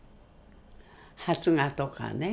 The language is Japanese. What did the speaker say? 発芽とかね。